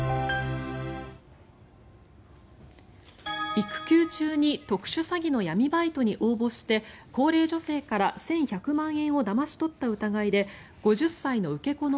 育休中に特殊詐欺の闇バイトに応募して高齢女性から１１００万円をだまし取った疑いで５０歳の受け子の